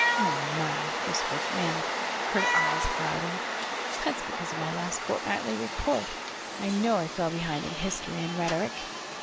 "Oh, my!" whispered Nan, her eyes clouding. "That's because of my last fortnightly report. I know I fell behind in history and rhetoric."